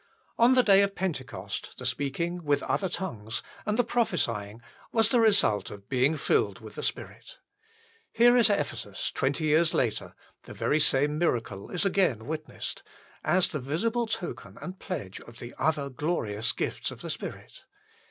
On the day of Pentecost the speaking " with other tongues " and the prophesying was the result of being filled with the Spirit. Here at Ephesus, twenty years later, the very same miracle is again witnessed, as the visible token and pledge of the other glorious gifts of the Spirit.